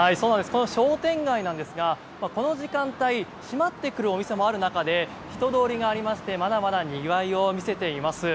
この商店街ですがこの時間帯、閉まってくるお店もある中で人通りがありましてまだまだにぎわいを見せています。